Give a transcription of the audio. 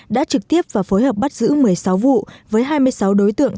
đã trực tiếp và phối hợp bắt giữ một mươi sáu vụ với hai mươi sáu đối tượng